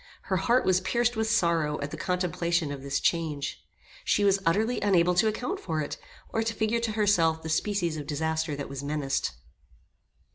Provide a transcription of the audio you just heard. Her heart was pierced with sorrow at the contemplation of this change. She was utterly unable to account for it, or to figure to herself the species of disaster that was menaced.